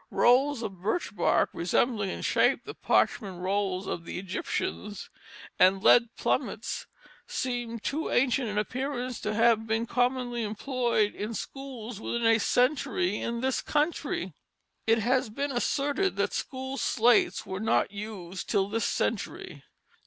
Rolls of birch bark resembling in shape the parchment rolls of the Egyptians and lead plummets seem too ancient in appearance to have been commonly employed in schools within a century in this country. It has been asserted that school slates were not used till this century.